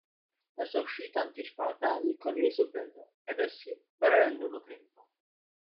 La sua uscita anticipata li coglie di sorpresa, ed essi prendono tempo.